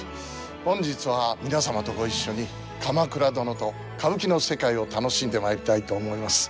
本日は皆様とご一緒に「鎌倉殿」と歌舞伎の世界を楽しんでまいりたいと思います。